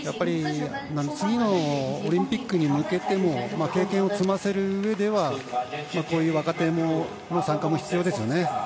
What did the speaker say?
次のオリンピックに向けても経験を積ませる上ではこういう若手の参加も必要ですね。